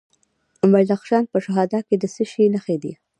د بدخشان په شهدا کې د څه شي نښې دي؟